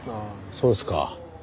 そうですか。